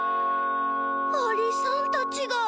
アリさんたちが。